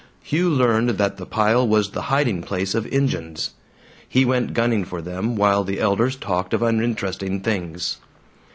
Hugh learned that the pile was the hiding place of Injuns; he went gunning for them while the elders talked of uninteresting things.